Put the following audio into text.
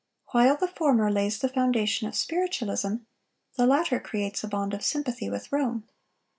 While the former lays the foundation of Spiritualism, the latter creates a bond of sympathy with Rome.